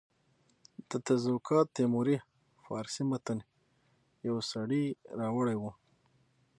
د تزوکات تیموري فارسي متن یو سړي راوړی وو.